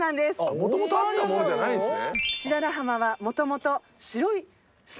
もともとあったもんじゃないんですね。